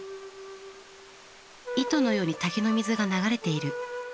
「糸のように滝の水が流れている。